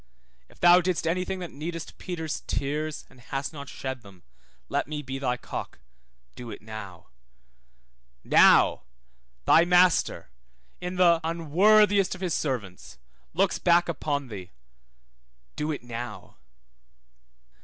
If thou didst any thing that needest Peter's tears, and hast not shed them, let me be thy cock, do it now. Now, thy Master (in the unworthiest of his servants) looks back upon thee, do it now.